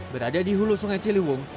berada di hulu sungai ciliwung